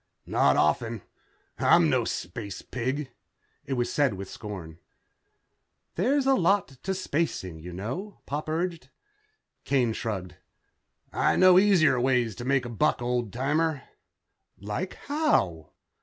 "Not often. I'm no space pig." It was said with scorn. "There's a lot to spacing, you know," Pop urged. Kane shrugged. "I know easier ways to make a buck, old timer." "Like how?"